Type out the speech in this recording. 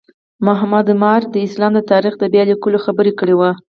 محمد عماره د اسلام د تاریخ د بیا لیکلو خبره کړې وه.